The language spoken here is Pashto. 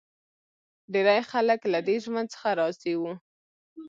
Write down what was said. ډېری خلک له دې ژوند څخه راضي و.